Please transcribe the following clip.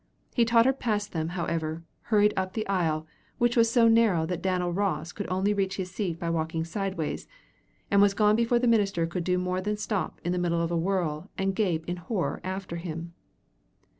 He tottered past them, however, hurried up the aisle, which was so narrow that Dan'l Ross could only reach his seat by walking sideways, and was gone before the minister could do more than stop in the middle of a whirl and gape in horror after him.